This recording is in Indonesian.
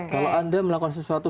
kalo anda melakukan sesuatu